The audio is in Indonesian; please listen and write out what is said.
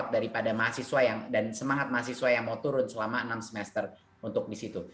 dan kita juga akan mencari semangat mahasiswa yang mau turun selama enam semester untuk di situ